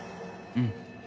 うん。